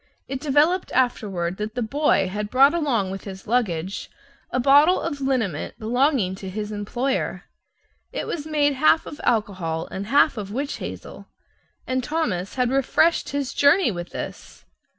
It developed afterward that the boy had brought along with his luggage a bottle of liniment belonging to his employer. It was made half of alcohol and half of witch hazel; and Thomas had refreshed his journey with this!